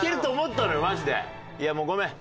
いやもうごめん。